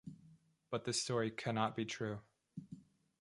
But this story cannot be true.